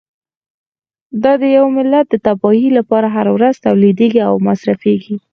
دا د یوه ملت د تباهۍ لپاره هره ورځ تولیدیږي او مصرفیږي.